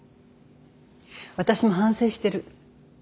私も反省してる。